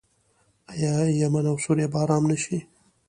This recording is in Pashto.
آیا یمن او سوریه به ارام نشي؟